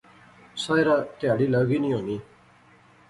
ساحرہ تہاڑی لاغی نی ہونی